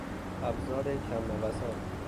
ابزار کمنوسان